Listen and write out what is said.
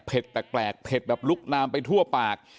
แปลกเผ็ดแบบลุกลามไปทั่วปาก